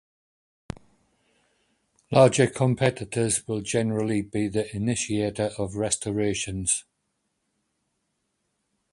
Larger competitors will generally be the initiator of restorations.